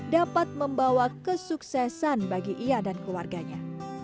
dapat membawa kesuksesan bagi ia dan keluarganya